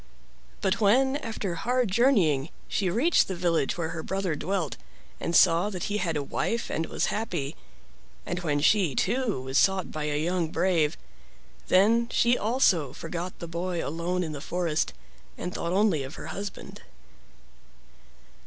But when, after hard journeying, she reached the village where her brother dwelt and saw that he had a wife and was happy, and when she, too, was sought by a young brave, then she also forgot the boy alone in the forest and thought only of her husband.